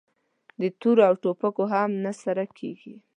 د تورو او ټوپکو هم نه سره کېږي!